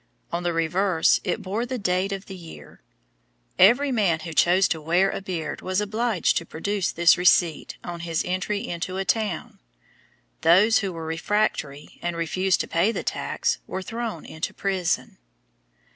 On the reverse, it bore the date of the year. Every man who chose to wear a beard was obliged to produce this receipt on his entry into a town. Those who were refractory, and refused to pay the tax, were thrown into prison.